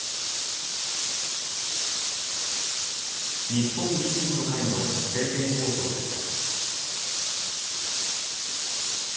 日本維新の会の政見放送でした。